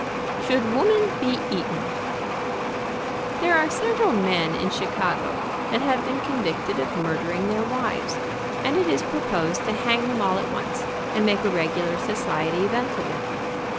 SHOULD WOMAN BE EATEN? 175 SHOULD WOMAN BE EATEN? There are several men in Chicago that have been convicted of murdering their wives, and it is pro posed to hang them all at once, and make a regular society event of it.